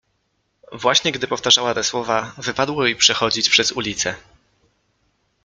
Właśnie gdy powtarzała te słowa, wypadło jej przechodzić przez ulicę.